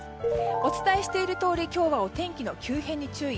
お伝えしているとおり今日はお天気の急変に注意。